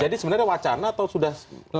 jadi sebenarnya wacana atau sudah